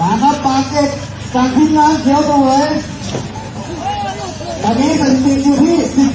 อออออออาจารย์นภาคพันธุ์๓๐๐วินาทีครับตัวนี้